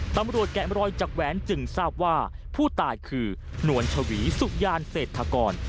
แกะมรอยจากแหวนจึงทราบว่าผู้ตายคือนวลชวีสุขยานเศรษฐกร